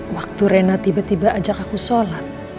waktu rena tiba tiba ajak aku sholat